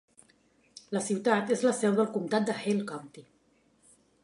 La ciutat és la seu del comtat de Hale County.